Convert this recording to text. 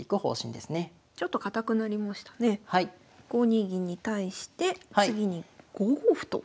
５二銀に対して次に５五歩と。